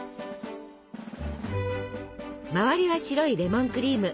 周りは白いレモンクリーム。